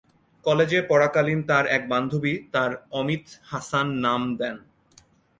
কলেজে পড়াকালীন তার এক বান্ধবী তার 'অমিত হাসান' নাম দেন।